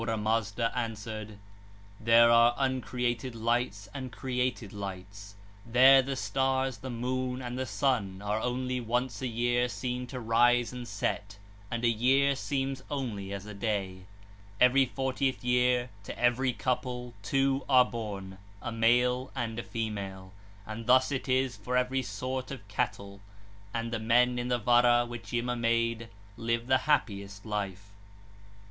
Ahura Mazda answered: 'There are uncreated lights and created lights 2. There the stars, the moon, and the sun are only once (a year) seen to rise and set 3, and a year seems only as a day. 41 (33). 'Every fortieth year, to every couple two are born, a male and a female 4. And thus it is for every sort of cattle. And the men in the Vara which Yima made live the happiest life 5.'